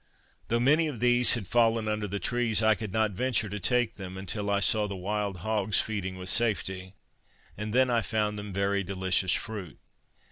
Though many of these had fallen under the trees, I could not venture to take them, until I saw the wild hogs feeding with safety, and then I found them very delicious fruit.